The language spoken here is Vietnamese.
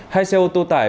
hai xe ô tô tải